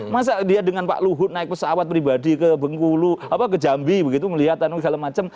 masa dia dengan pak luhut naik pesawat pribadi ke bengkulu ke jambi begitu melihat segala macam